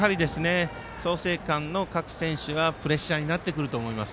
創成館の各選手はプレッシャーになってくると思います。